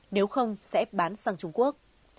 nếu không sẽ bán sang trung quốc